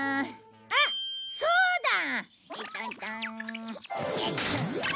あっそうだ！